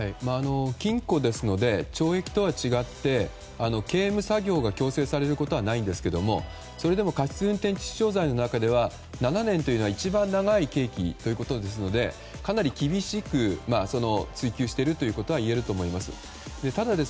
禁錮ですので懲役とは違って刑務作業が強制されることはないんですけれどもそれでも過失運転致死傷罪の中では７年というのは一番長い刑期ということですのでかなり厳しく追及しているということはいえると思います。